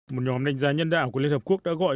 một nhóm đánh giá nhân đạo của liên hợp quốc đã gọi